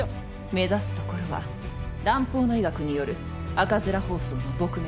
目指すところは蘭方の医学による赤面疱瘡の撲滅です。